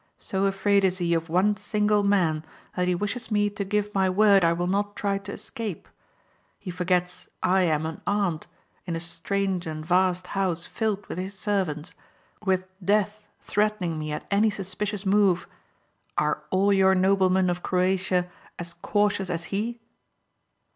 So afraid is he of one single man that he wishes me to give my word I will not try to escape. He forgets I am unarmed, in a strange and vast house filled with his servants, with death threatening me at any suspicious move. Are all your noblemen of Croatia as cautious as he?"